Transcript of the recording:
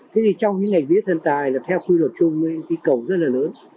thế thì trong những ngày vía thần tài là theo quy luật chung cái cầu rất là lớn